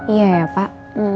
iya ya pak